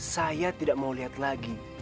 saya tidak mau lihat lagi